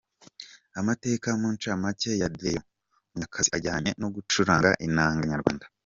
Amateka mu ncamake ya Deo Munyakazi ajyanye no gucuranga inanga nyarwanda.